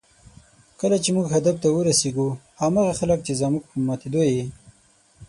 کله چې موږ خپل هدف ته ورسېږو، هماغه خلک چې زموږ په ماتېدو یې